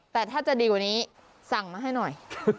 แต่ถ้าจะดีกว่านี้สั่งมาให้หน่อย